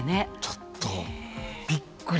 ちょっとびっくり。